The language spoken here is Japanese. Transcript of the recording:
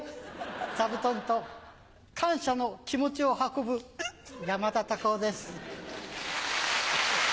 座布団と感謝の気持ちを運ぶ山田隆夫です。